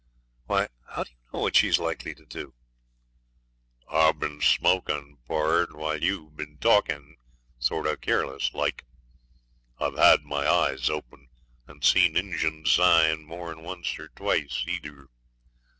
'Why, how do you know what she's likely to do?' 'I've been smokin', pard, while you hev bin talkin', sorter careless like. I've had my eyes open and seen Injun sign mor'n once or twice either.